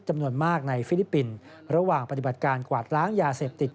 จำนวนมากในฟิลิปปินส์ระหว่างปฏิบัติการกวาดล้างยาเสพติด